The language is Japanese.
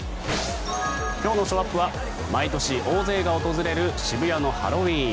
今日のショーアップは毎年大勢が訪れる渋谷のハロウィーン。